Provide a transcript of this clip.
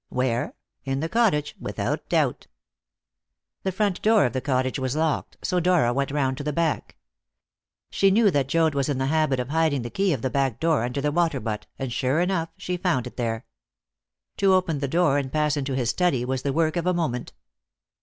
Where? In the cottage, without doubt. The front door of the cottage was locked, so Dora went round to the back. She knew that Joad was in the habit of hiding the key of the back door under the water butt, and sure enough she found it there. To open the door and pass into his study was the work of a moment.